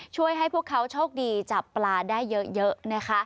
ช่วยให้พวกเขาโชคดีจับปลาได้เยอะนะคะ